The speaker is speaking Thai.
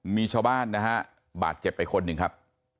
มีชาวบ้านนะฮะบาดเจ็บไปคนหนึ่งครับ